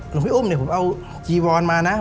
หลวงพี่อุ้มเนี่ยผมเอาจีวอนมานะ